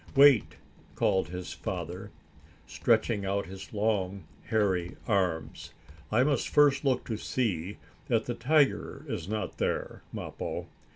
"Wait!" called his father, stretching out his long, hairy arms. "I must first look to see that the tiger is not there, Mappo."